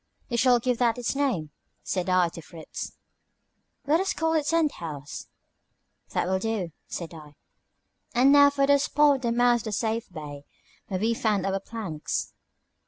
You shall give that its name," said I to Fritz. "Let us call it Tent House." "That will do," said I. "And now for the spot at the mouth of Safe Bay, where we found our planks?"